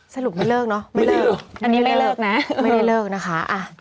สรุปไม่เลิกเอาอันนี้ไม่เลิกนะคะ